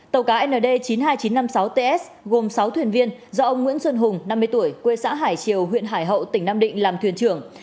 tàu cá nd chín mươi hai nghìn chín trăm năm mươi sáu ts gồm sáu thuyền viên do ông nguyễn xuân hùng năm mươi tuổi quê xã hải triều huyện hải hậu tỉnh nam định làm thuyền trưởng